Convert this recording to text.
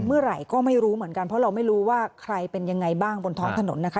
เมื่อไหร่ก็ไม่รู้เหมือนกันเพราะเราไม่รู้ว่าใครเป็นยังไงบ้างบนท้องถนนนะคะ